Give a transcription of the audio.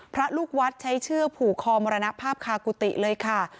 พระลูกวัดใช้เชือกผูกคอมรณภาพคากุฏิเลยค่ะ